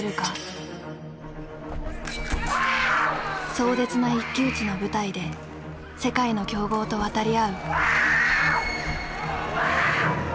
壮絶な一騎打ちの舞台で世界の強豪と渡り合う。